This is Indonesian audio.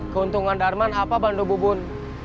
keuntungan darman apa bandu bubun